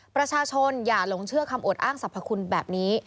ประชาชนอย่าหลงเชื่อคำอดอ้างสรรพคุณแบบนี้